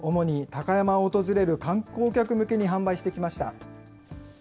主に高山を訪れる観光客向けに販売してきました。